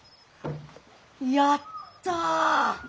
やった！